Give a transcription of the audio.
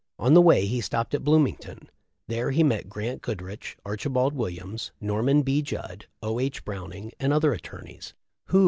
On the way he stopped at Bloomington. There he met Grant Goodrich. Archibald Williams, Norman B. Judd, O. H. Browning, and other attorneys, who.